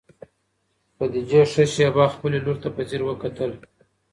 خدیجې ښه شېبه خپلې لور ته په ځیر وکتل.